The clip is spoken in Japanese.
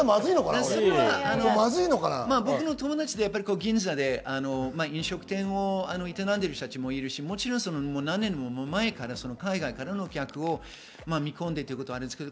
僕の友達で銀座で飲食店を営んでいる人たちもいるし、何年も前から海外からの客を見込んでということもあります。